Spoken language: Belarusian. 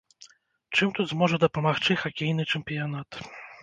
Чым тут зможа дапамагчы хакейны чэмпіянат?